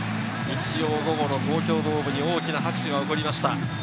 日曜午後の東京ドームに大きな拍手が起こりました。